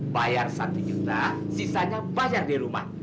bayar satu juta sisanya bayar di rumah